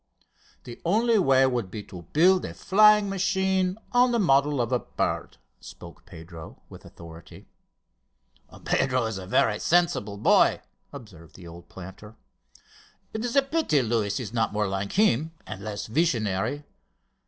"The only way would be to build a flying machine on the model of the bird," spoke up Pedro with authority. "Pedro is a very sensible boy," observed the old planter. "It is a pity Luis is not more like him and less visionary.